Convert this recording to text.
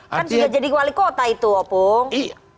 kan sudah jadi wali kota itu opung